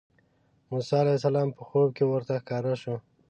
موسی علیه السلام په خوب کې ورته ښکاره شو.